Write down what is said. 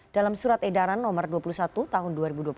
dalam surat edaran nomor dua puluh satu tahun dua ribu dua puluh satu